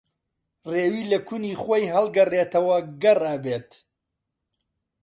ڕێوی لە کونی خۆی ھەڵگەڕێتەوە گەڕ ئەبێت